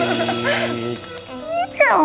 ya ampun papa